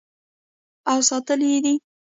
او ساتلی یې دی.